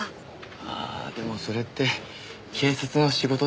ああでもそれって警察の仕事ではないので。